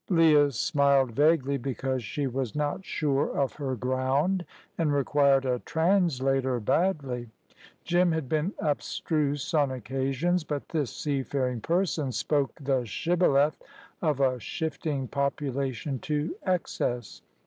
Leah smiled vaguely, because she was not sure of her ground, and required a translator badly. Jim had been abstruse on occasions, but this seafaring person spoke the shibboleth of a shifting population to excess.